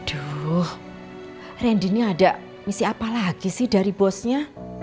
aduh ren di sini ada misi apa lagi sih dari bosnya